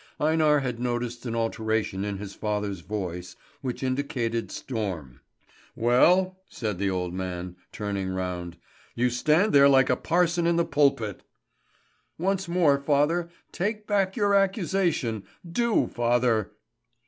Einar had noticed an alteration in his father's voice, which indicated storm. "Well?" said the old man, turning round. "You stand there like a parson in the pulpit!" "Once more, father, take back your accusation! Do, father!"